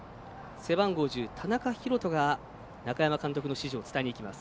背番号１０田中が中山監督の指示を伝えにいきます。